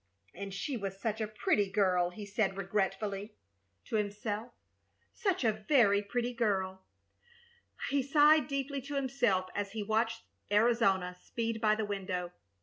"And she was such a pretty girl," he said, regretfully, to himself. "Such a very pretty girl!" He sighed deeply to himself as he watched Arizona speed by the window.